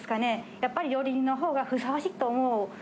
やっぱり料理人のほうがふさわしいと思う。